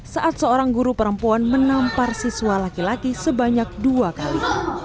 saat seorang guru perempuan menampar siswa laki laki sebanyak dua kali